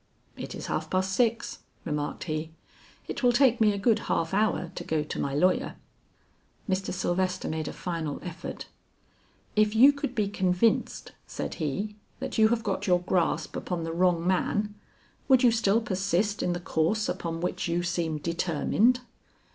"It is half past six," remarked he. "It will take me a good half hour to go to my lawyer." Mr. Sylvester made a final effort. "If you could be convinced," said he, "that you have got your grasp upon the wrong man, would you still persist in the course upon which you seem determined?"